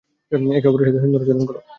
একে অপরের সাথে সুন্দর আচরণ করো!